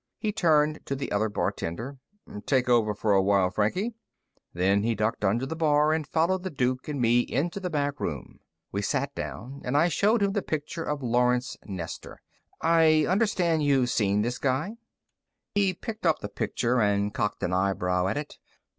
He turned to the other bartender. "Take over for a while, Frankie." Then he ducked under the bar and followed the Duke and me into the back room. We sat down, and I showed him the picture of Lawrence Nestor. "I understand you've seen this guy." He picked up the picture and cocked an eyebrow at it.